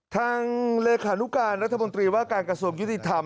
ทางเลขานุการรัฐมนตรีว่าการกระทรวงยุติธรรม